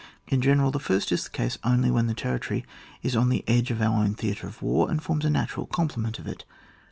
In general, the first is the case only when the territory is on the edge of our own theatre of war, and forms a natural complement of it.